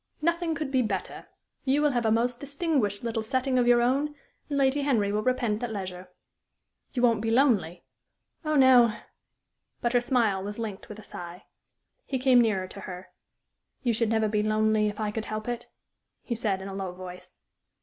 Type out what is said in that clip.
"Nothing could be better. You will have a most distinguished little setting of your own, and Lady Henry will repent at leisure. You won't be lonely?" "Oh no!" But her smile was linked with a sigh. He came nearer to her. "You should never be lonely if I could help it," he said, in a low voice.